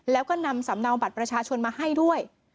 แล้วก็นำสำเนาบัตรประชาชนมาให้ด้วย